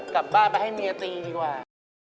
กลับบ้านไปให้เมียตีดีกว่า